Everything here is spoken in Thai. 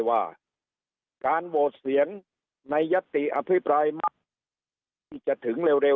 ว่าการโหตเสียงในยัตติอภิปรายมากจะถึงเร็วเร็ว